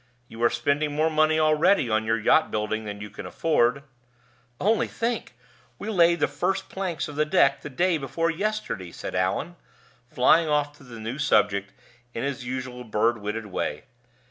You are spending more money already on your yacht building than you can afford " "Only think! we laid the first planks of the deck the day before yesterday," said Allan, flying off to the new subject in his usual bird witted way.